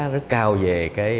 rất cao về